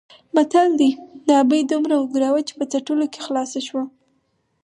متل دی: د ابۍ دومره وګره وه چې په څټلو کې خلاصه شوه.